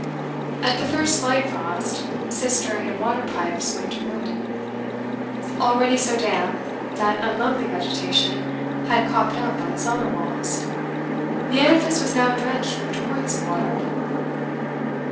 At the first slight frost, cistern and water pipes went to ruin; already so damp that unlovely vegetation had cropped up on cellar walls, the edifice was now drenched with torrents of water.